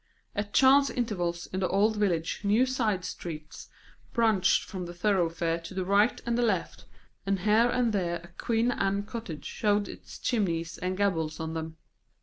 At chance intervals in the old village new side streets branched from the thoroughfare to the right and the left, and here and there a Queen Anne cottage showed its chimneys and gables on them.